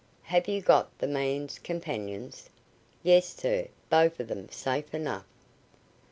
"Have you got the man's companions?" "Yes, sir, both of them, safe enough."